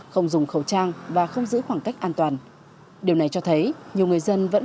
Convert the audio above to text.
không dùng khẩu trang và không giữ khoảng cách an toàn điều này cho thấy nhiều người dân vẫn